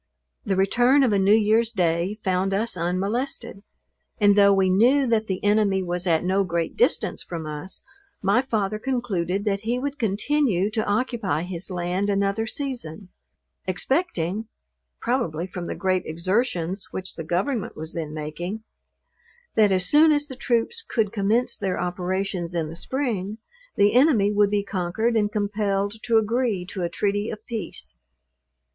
The return of a new year's day found us unmolested; and though we knew that the enemy was at no great distance from us, my father concluded that he would continue to occupy his land another season: expecting (probably from the great exertions which the government was then making) that as soon as the troops could commence their operations in the spring, the enemy would be conquered and compelled to agree to a treaty of peace.